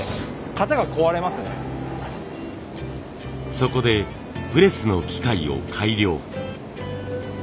そこでプレスの機械を改良。